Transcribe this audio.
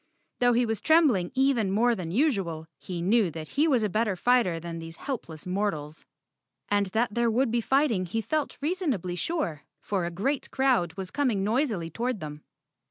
Though he was trembling even more than usual, he knew that he was a better fighter than these helpless mortals. And that there would be fighting he felt reasonably sure, for a great crowd was coming noisily toward them.